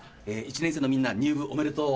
１年生のみんな入部おめでとう。